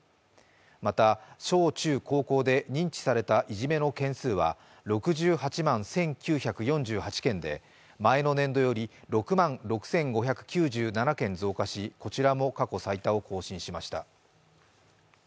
また小中高校で認知されたいじめの件数は６８万１９４８件で、前の年度より６万１９４８件増加し、健康診断どうでした？